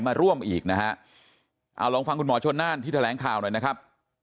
มาร่วมอีกนะฮะเอาลองฟังคุณหมอชนน่านที่แถลงข่าวหน่อยนะครับ